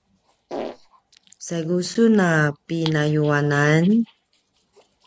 saigu sun a pinayuanan?